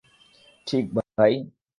ঠিক, ভাই?